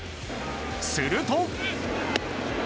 すると。